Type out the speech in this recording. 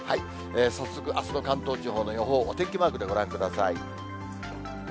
早速、あすの関東地方の予報、お天気マークでご覧ください。